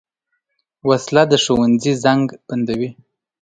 وسله د ښوونځي زنګ بندوي